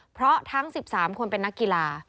เพราะทั้ง๑๓คนเป็นนักกีฬา